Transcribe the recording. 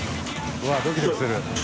うわっドキドキする。